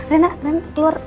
rena rena keluar